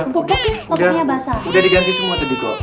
pokoknya basah udah udah diganti semua tadi kok